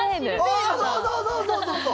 ああ、そうそうそうそう！